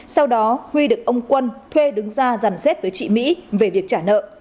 sau đó huy được ông quân thuê đứng ra giàn xếp với chị mỹ về việc trả nợ